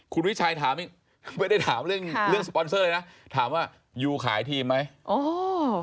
คุณวิชัยถามไม่ได้ถามเรื่องเรื่องสปอนเซอร์เลยนะถามว่ายูขายทีมไหมอ๋อ